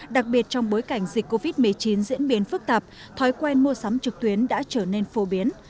đặc biệt trong bối cảnh dịch covid một mươi chín diễn biến phức tạp thói quen mua sắm trực tuyến đã trở nên phổ biến